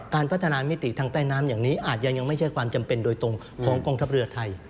การพัฒนามิติทางใต้น้ำอย่างนี้อาจจะยังไม่ใช่ความจำเป็นโดยตรงของกองทัพเรือไทย